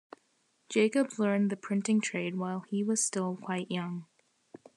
Jacobs learned the printing trade while he was still quite young.